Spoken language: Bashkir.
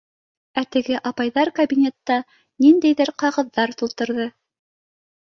Ә теге апайҙар кабинетта ниндәйҙер ҡағыҙҙар тултырҙы.